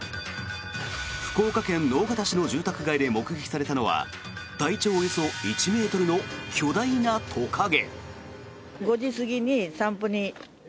福岡県直方市の住宅街で目撃されたのは体長およそ１ｍの巨大なトカゲ。